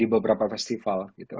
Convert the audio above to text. di beberapa festival gitu